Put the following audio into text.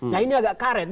nah ini agak karet